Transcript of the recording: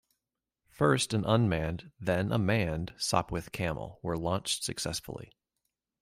First an unmanned, then a manned, Sopwith Camel were launched successfully.